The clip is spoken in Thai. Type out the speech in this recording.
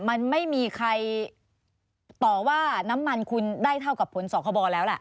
มันไม่มีใครต่อว่าน้ำมันคุณได้เท่ากับผลสคบแล้วล่ะ